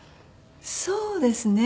そうですね。